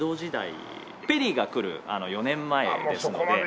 ペリーが来る４年前ですので。